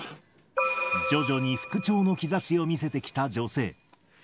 徐々に復調の兆しを見せてきた女性。